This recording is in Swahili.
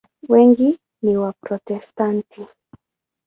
Wengi ni Waprotestanti.